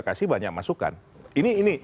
kasih banyak masukan ini